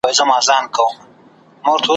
د خدای دوستان تېر سوي ,